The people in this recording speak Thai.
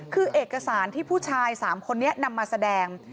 คือเอกสารที่ผู้ชาย๓คนนี้นำมาแสดง